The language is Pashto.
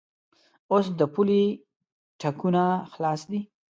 اوس د پولې ټکونه خلاص دي.